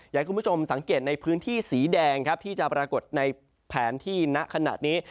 อยากให้คุณผู้ชมสังเกตในพื้นที่สีแดงครับที่จะปรากฏในแผนที่ณขณะนี้